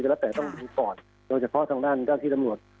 แล้วแต่ต้องดูก่อนโดยเฉพาะทางด้านเจ้าที่ตำรวจ